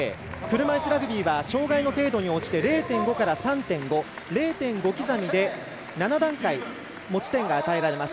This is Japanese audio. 車いすラグビーは障がいの程度に応じて０．５から３．５７段階、持ち点が与えられます。